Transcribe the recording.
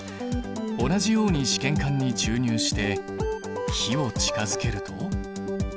同じように試験管に注入して火を近づけると。